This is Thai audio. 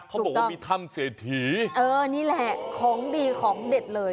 เขาบอกว่ามีถ้ำเศรษฐีเออนี่แหละของดีของเด็ดเลย